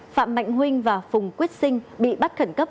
phạm mạnh huynh và phùng quyết sinh bị bắt khẩn cấp